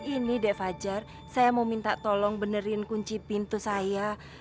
ini dek fajar saya mau minta tolong benerin kunci pintu saya